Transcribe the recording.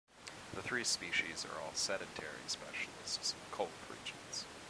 The three species are all sedentary specialists of cold regions.